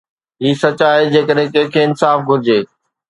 هي سچ آهي جيڪڏهن ڪنهن کي انصاف گهرجي